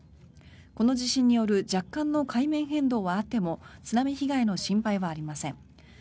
この地震による若干の海面変動はあっても津波被害の心配はありません。